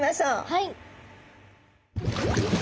はい。